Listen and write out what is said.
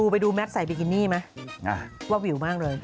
ไปดูแมทใส่บิกินี่ไหมว่าวิวมากเลย